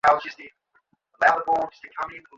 এতকাল পরে গৃহের বধূ শাশুড়ির পদতলের অধিকার পাইয়াছে।